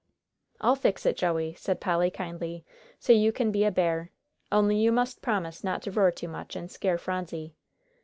"I'll fix it, Joey," said Polly, kindly, "so you can be a bear, only you must promise not to roar too much and scare Phronsie."